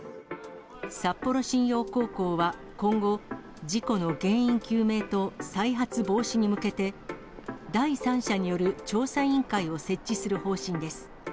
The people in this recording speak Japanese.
札幌新陽高校は、今後、事故の原因究明と再発防止に向けて、第三者による調査委員会を設置する方針です。